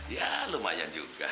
ya lumayan juga